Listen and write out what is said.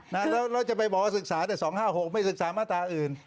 แล้วจะไปบอกว่าศึกษาแต่๒๕๖ไม่ศึกษามาตราอื่น